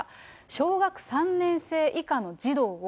小学３年生以下の児童を、